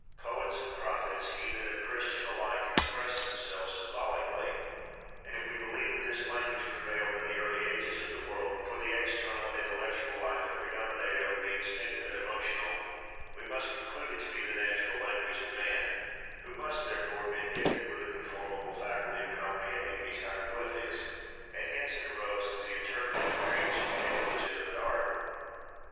Poets and prophets, heathen and Christian, alike express themselves symbolically, and, if we believe that this language prevailed in the early ages of the world, before the external and intellectual life had predominated over the instinctive and emotional, we must conclude it to be the natural language of man, who must, therefore, have been gifted with a conformable faculty of comprehending these hieroglyphics; and hence it arose that the interpreting of dreams became a legitimate art.